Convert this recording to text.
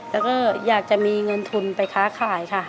แล้วก็อยากจะมีเงินทุนไปค้าขายค่ะ